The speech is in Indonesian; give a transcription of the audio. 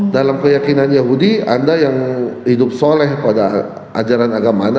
dalam keyakinan yahudi anda yang hidup soleh pada ajaran agama anda